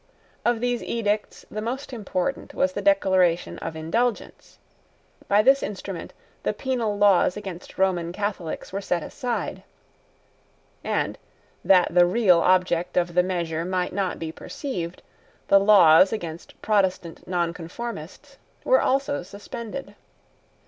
Of these edicts the most important was the Declaration of Indulgence. By this instrument the penal laws against Roman Catholics were set aside; and, that the real object of the measure might not be perceived, the laws against Protestant Nonconformists were also suspended.